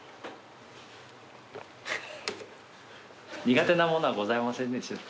苦手なものはございませんでしょうか？